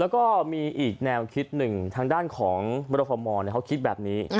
ก็มีอีกแนวคิดทางด้านของวัฒนธรรมมน์เขาคิดแบบนี้